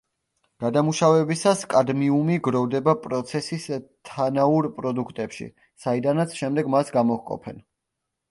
გადამუშავებისას კადმიუმი გროვდება პროცესის თანაურ პროდუქტებში, საიდანაც შემდეგ მას გამოჰყოფენ.